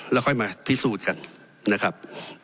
แล้วค่อยมาพิสูจน์กันนะครับ